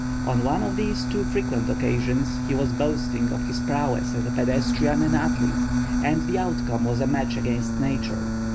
On one of these too frequent occasions he was boasting of his prowess as a pedestrian and athlete, and the outcome was a match against nature.